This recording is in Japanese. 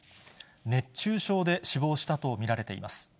熱中症で死亡したと見られています。